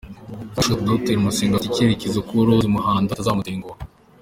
Bishop Dr Masengo afite icyizere ko Rose Muhando atazamutenguha.